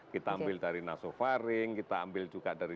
kita ambil dari nasofaring kita ambil juga dari